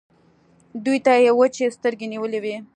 دوی ته يې وچې سترګې نيولې وې.